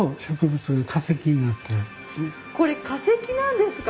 これ化石なんですか？